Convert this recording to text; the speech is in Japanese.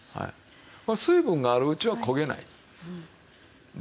水分があるうちは焦げないんですよ。